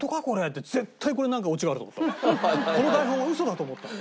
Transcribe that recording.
この台本はウソだと思った。